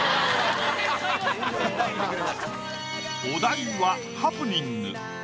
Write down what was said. お題は「ハプニング」。